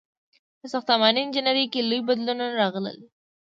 • په ساختماني انجینرۍ کې لوی بدلونونه راغلل.